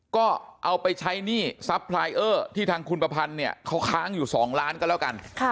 ก็เอาไปใช้หนี้ทรัพย์พลายเออร์ที่ทางคุณประพันธ์เนี่ยเขาค้างอยู่๒ล้านก็แล้วกัน